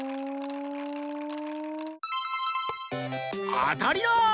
あたりだ！